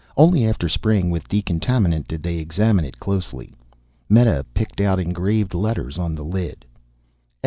Only after spraying with decontaminant, did they examine it closely. Meta picked out engraved letters on the lid.